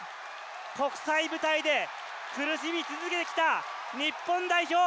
国際舞台で苦しみ続けてきた日本代表。